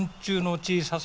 小ささ？